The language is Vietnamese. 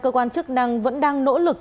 cơ quan chức năng vẫn đang nỗ lực